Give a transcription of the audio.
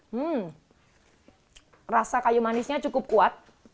hmm rasa kayu manisnya cukup kuat